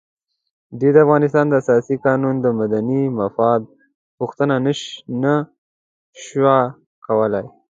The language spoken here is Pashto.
دوی د افغانستان د اساسي قانون د مدني مفاد پوښتنه نه شوای کولای.